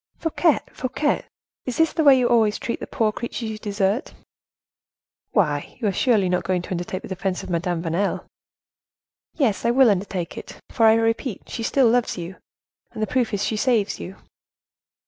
"Fouquet! Fouquet! Is this the way you always treat the poor creatures you desert?" "Why, you surely are not going to undertake the defense of Madame Vanel?" "Yes, I will undertake it; for, I repeat, she loves you still, and the proof is she saves you."